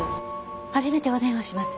初めてお電話します。